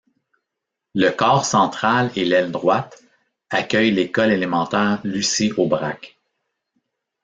Le corps central et l'aile droite accueillent l'école élémentaire Lucie Aubrac.